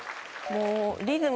もう。